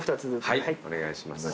はいお願いします。